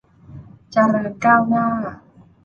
เจริญก้าวหน้า